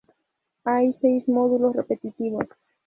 Hay seis módulos repetitivos.